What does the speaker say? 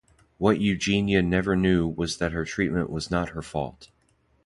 What Eugenia never knew was that her treatment was not her fault.